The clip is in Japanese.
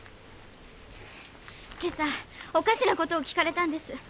今朝おかしな事を聞かれたんです。